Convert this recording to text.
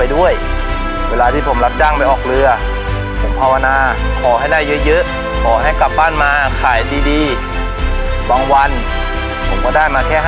โดยสำหรับเรื่องนี้ก็คือ